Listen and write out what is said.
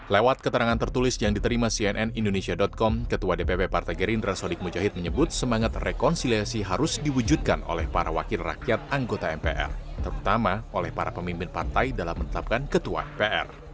lewat keterangan tertulis yang diterima cnn indonesia com ketua dpp partai gerindra sodik mujahid menyebut semangat rekonsiliasi harus diwujudkan oleh para wakil rakyat anggota mpr terutama oleh para pemimpin partai dalam menetapkan ketua mpr